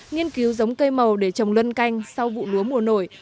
nghiên cứu giống cây màu để trồng luân canh sau vụ lúa mùa nổi